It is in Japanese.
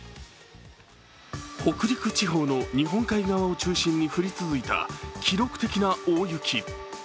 北陸地方の日本海側を中心に降り続いた記録的な大雪。